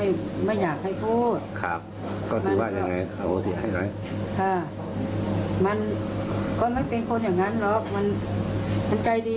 เอาโทษสิให้ใครทั้งนั้นแหละ